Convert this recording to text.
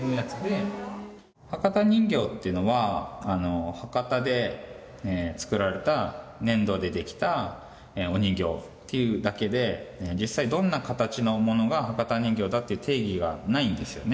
博多人形というのは博多で作られた粘土でできたお人形というだけで実際どんな形のものが博多人形だという定義がないんですよね。